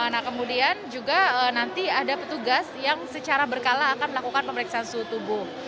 nah kemudian juga nanti ada petugas yang secara berkala akan melakukan pemeriksaan suhu tubuh